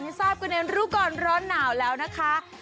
ที่ทราบกุญเนียนรู้ก่อนร้อนหนาวแล้วนะคะ